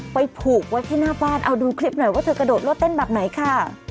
ผูกไว้ที่หน้าบ้านเอาดูคลิปหน่อยว่าเธอกระโดดรถเต้นแบบไหนค่ะ